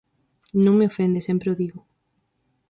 Non me ofende, sempre o digo.